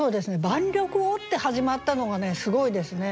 「万緑を」って始まったのがすごいですね。